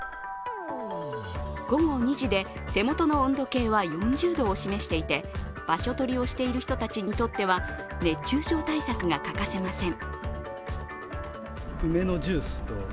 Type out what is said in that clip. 午後２時で手元の温度計は４０度を示していて、場所取りをしている人たちにとっては、熱中症対策が欠かせません。